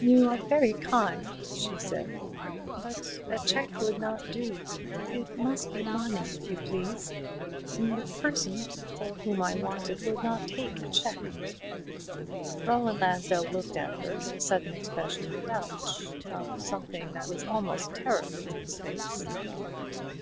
"You are very kind," she said; "but a cheque would not do. It must be money, if you please; the person for whom I want it would not take a cheque." Roland Lansdell looked at her with a sudden expression of doubt, of something that was almost terror in his face.